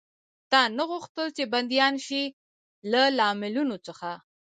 تا نه غوښتل، چې بندیان شي؟ له لاملونو څخه.